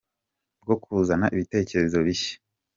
bwo kuzana ibitekerezo bishya